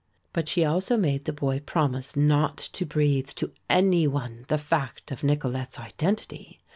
But she also made the boy promise not to breathe to any one the fact of Nicolete's identity.